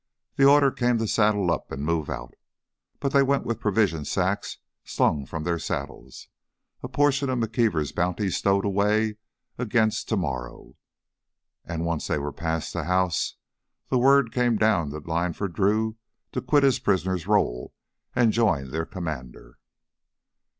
The order came to saddle up and move out. But they went with provision sacks slung from their saddles, a portion of McKeever's bounty stowed away against tomorrow. And once they were past the house, the word came down the line for Drew to quit his prisoner's role and join their commander.